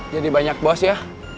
jadi banyak bos ya